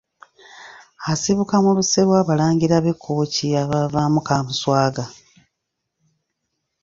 Asibuka mu luse lw’Abalangira b’e Kkooki abavaamu Kaamuswaga.